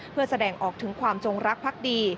เพื่อแสดงออกถึงความจงรักพักดี